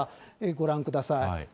ご覧ください。